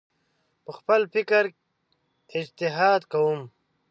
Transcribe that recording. په خپل فکر اجتهاد کوم